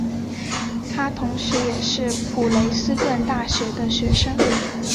他同时也是普雷斯顿大学的学生。